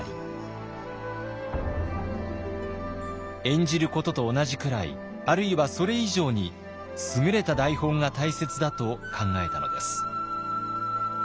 演じることと同じくらいあるいはそれ以上に優れた台本が大切だと考えたのです。